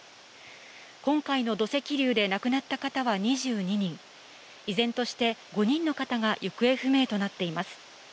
今回の土石流で亡くなった方は２２人、依然として５人の方が行方不明となっています。